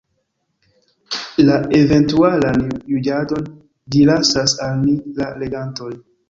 La eventualan juĝadon ĝi lasas al ni, la legantoj.